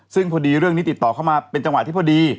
ซึ่งพอดีเรื่องนี้ติดต่อเข้ามาเป็นจังหวะที่พอดี